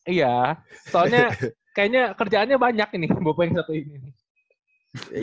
iya soalnya kayaknya kerjaannya banyak nih bapak yang satu ini